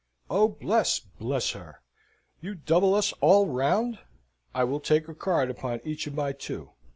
Oh, bless, bless her!" "You double us all round? I will take a card upon each of my two.